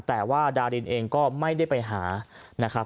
แต่ว่าดารินเองก็ไม่ได้ไปหานะครับ